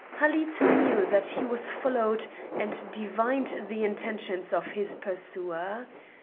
Halid knew that he was followed and divined the intentions of his pursuer.